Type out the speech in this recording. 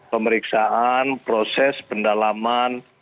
pemeriksaan proses pendalaman